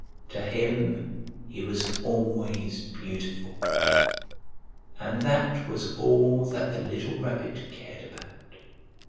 To him he was always beautiful, and that was all that the little Rabbit cared about.